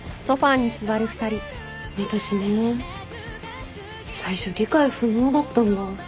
私ね最初理解不能だったんだ。